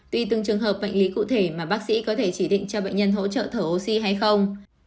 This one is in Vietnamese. tùy từng trường hợp bệnh lý cụ thể mà bác sĩ có thể chỉ định cho bệnh nhân hỗ trợ thở oxy hay không